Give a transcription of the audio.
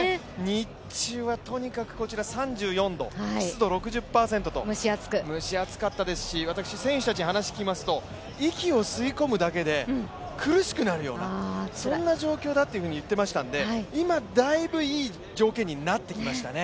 日中はとにかくこちら３４度、湿度６０％と蒸し暑かったですし私、選手たちに話を聞きますと、息を吸い込むだけで苦しくなるような、そんな状況だと言っていましたので今、だいぶいい条件になってきましたね。